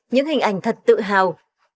những hình ảnh thật tự hào